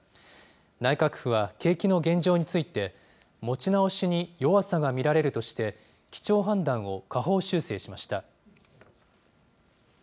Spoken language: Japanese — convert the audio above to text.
内閣府は景気の現状について、持ち直しに弱さが見られるとして、基調判断を下方修正しました。